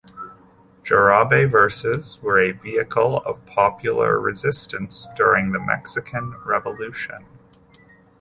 Jarabe verses were a vehicle of popular resistance during the Mexican Revolution.